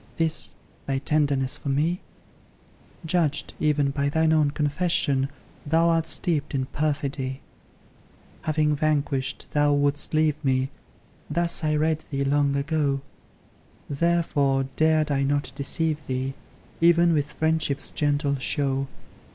This, thy tenderness for me? Judged, even, by thine own confession, Thou art steeped in perfidy. Having vanquished, thou wouldst leave me! Thus I read thee long ago; Therefore, dared I not deceive thee, Even with friendship's gentle show.